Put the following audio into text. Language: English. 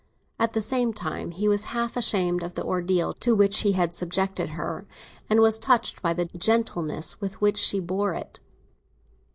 At the same time he was half ashamed of the ordeal to which he had subjected her, and was touched by the gentleness with which she bore it.